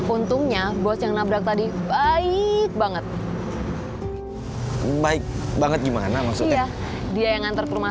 untungnya bos yang nabrak tadi baik banget baik banget gimana maksudnya dia yang ngantar ke rumah